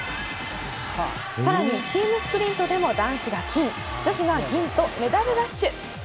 さらにチームスプリントでも男子が金、女子が銀とメダルラッシュ。